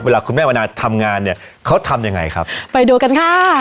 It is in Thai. เวลาคุณแม่วันนาทำงานเนี่ยเขาทำยังไงครับไปดูกันค่ะ